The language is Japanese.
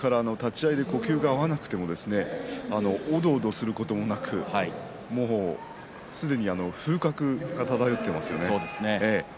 立ち合いで呼吸が合わなくても途中でおどおどすることなくすでに風格が漂っていますよね。